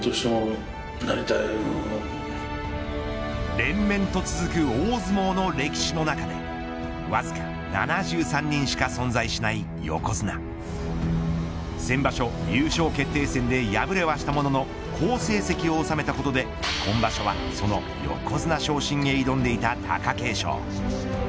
連綿と続く大相撲の歴史の中でわずか７３人しか存在しない横綱先場所、優勝決定戦で敗れはしたものの好成績を収めたことで今場所はその横綱昇進へ挑んでいた貴景勝。